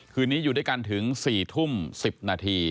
คืนนี้อยู่ด้วยกันถึง๔ทุ่ม๑๐นาที